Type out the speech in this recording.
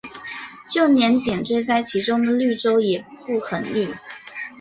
就连点缀在其中的绿洲也不很绿。